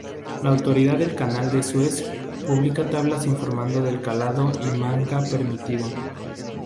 La Autoridad del Canal de Suez publica tablas informando del calado y manga permitido.